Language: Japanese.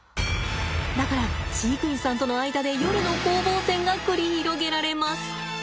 だから飼育員さんとの間で夜の攻防戦が繰り広げられます。